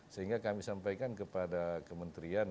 sehingga kami sampaikan kepada kementerian